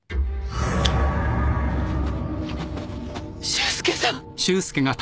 修介さん！？